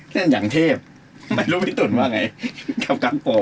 เล่นอย่างเทพไม่รู้พี่ตุ๋นว่าไงกับการปอก